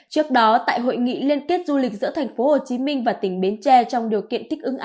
trước đó tại hội nghị liên kết du lịch giữa tp hcm và tỉnh bến tre